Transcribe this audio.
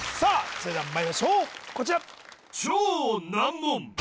それではまいりましょうこちら